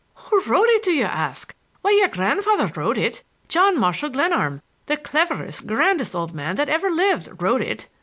"Who wrote it, do you ask? Why, your grandfather wrote it! John Marshall Glenarm, the cleverest, grandest old man that ever lived, wrote it!"